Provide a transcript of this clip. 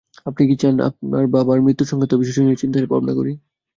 আপনি কি চান আমি আপনার বাবার মৃত্যুসংক্রান্ত বিষয়টি নিয়ে চিন্তা-ভাবনা করি?